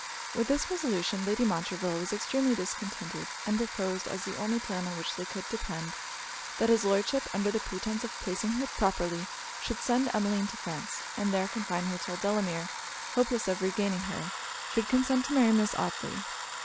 With this resolution, Lady Montreville was extremely discontented; and proposed, as the only plan on which they could depend, that his Lordship, under pretence of placing her properly, should send Emmeline to France, and there confine her till Delamere, hopeless of regaining her, should consent to marry Miss Otley.